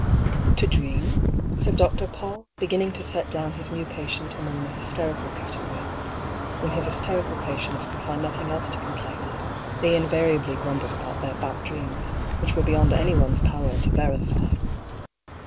" To dream ?" said Dr. PauU, beginning to set down MERCEDES, 203 his new patient among the hysterical category. (When his hysterical patients could find nothing else to com plain of, they invariably grumbled about their bad dreams, which were beyond anyone's power to verify.)